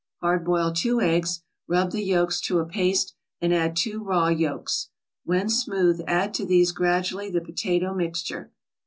Hard boil two eggs; rub the yolks to a paste, and add two raw yolks. When smooth, add to these gradually the potato mixture.